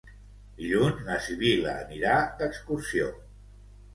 Dilluns na Sibil·la anirà d'excursió.